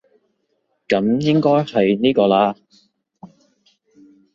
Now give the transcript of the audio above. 噉應該係呢個喇